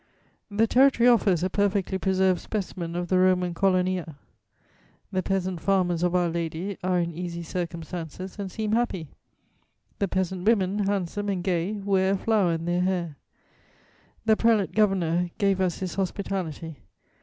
The territory offers a perfectly preserved specimen of the Roman colonia. The peasant farmers of Our Lady are in easy circumstances and seem happy; the peasant women, handsome and gay, wear a flower in their hair. The Prelate Governor gave us his hospitality.